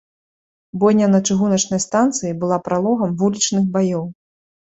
Бойня на чыгуначнай станцыі была пралогам вулічных баёў.